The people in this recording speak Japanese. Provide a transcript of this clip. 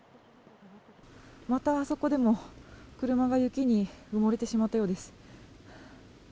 またあそこでも、車が雪に埋もれてしまったようです。